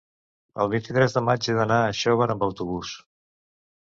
El vint-i-tres de maig he d'anar a Xóvar amb autobús.